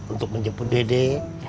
untuk menjemput dede